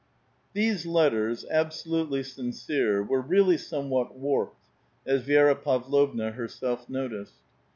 These letters, absolutely sincere, were really somewhat warped, as Vi6ra Pavlovna herself noticed.